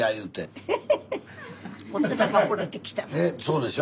そうでしょ